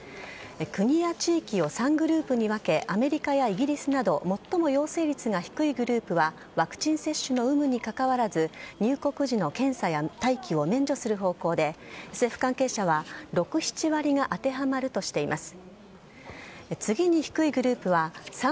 国や地域を３グループに分けアメリカやイギリスなどもっとも陽性率が低いグループはワクチン接種の有無にかかわらず入国時の検査や待機を免除する方向で政府関係者は６７割が当てはまるとしています。